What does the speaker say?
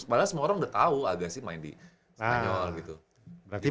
padahal semua orang udah tau agassi main di spanyol gitu